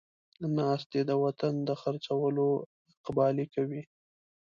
ناست دی د وطن د خر څولو اقبالې کوي